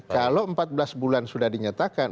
kalau empat belas bulan sudah dinyatakan